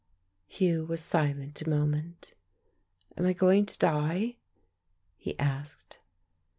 Hugh was silent a moment. "Am I going to die?" he asked.